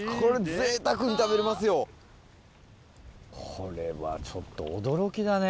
これはちょっと驚きだね。